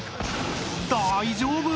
大丈夫？］